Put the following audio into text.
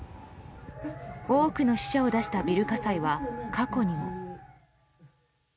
多くの死者を出したビル火災は過去にも。